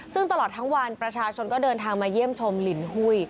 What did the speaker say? ซึ่งตลอดทั้งวันประชาชนก็เดินทางมาเยี่ยมชมลินหุ้ย